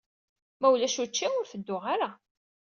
Ma ulac učči, ur tedduɣ ara.